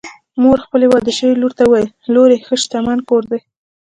مور خپلې واده شوې لور ته وویل: لورې! ښه شتمن کور دی